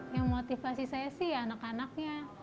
yang motivasi saya sih ya anak anaknya